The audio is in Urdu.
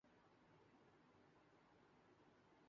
مختلف شخصیات کا کرکٹ لیجنڈ ڈین جونز کو خراج تحسین